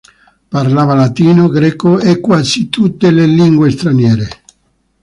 Parlava latino, greco, e quasi tutte le lingue straniere.